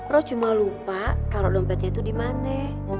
lo cuma lupa taruh dompetnya itu di mana